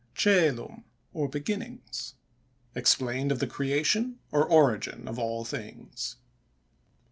—CŒLUM, OR BEGINNINGS. EXPLAINED OF THE CREATION, OR ORIGIN OF ALL THINGS.